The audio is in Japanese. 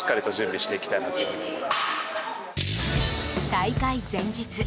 大会前日